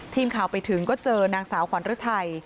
ทีมข่าวไปถึงก็เจอนางสาวขวัญฤทัย